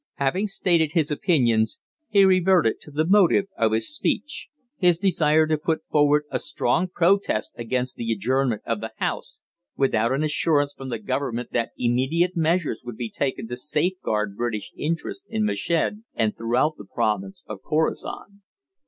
Having stated his opinions, he reverted to the motive of his speech his desire to put forward a strong protest against the adjournment of the House without an assurance from the government that immediate measures would be taken to safeguard British interests in Meshed and throughout the province of Khorasan.